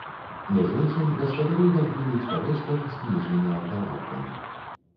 Між іншым, гаспадары гандлююць па вёсках з кніжнымі аўталаўкамі.